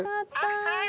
はい。